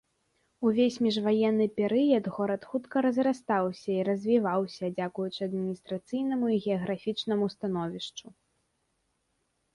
Увесь міжваенны перыяд горад хутка разрастаўся і развіваўся дзякуючы адміністрацыйнаму і геаграфічнаму становішчу.